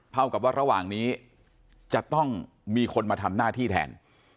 เท่ากับว่าระหว่างนี้จะต้องมีคนมาทำหน้าที่แทน